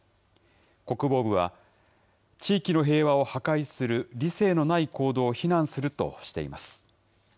国防部は、地域の平和を破壊する理性のない行動を非難するとしています。